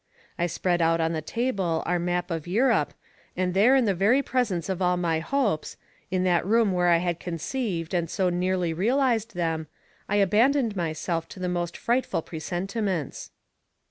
I spread out on the table our map of Europe, and there in the very presence of all my hopes, in that room where I had conceived and had so nearly realized them, I abandoned myself to the most frightful presentiments.